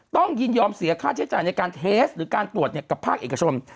ยินยอมเสียค่าใช้จ่ายในการเทสหรือการตรวจกับภาคเอกชน